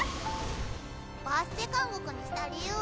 バステ監獄にした理由は？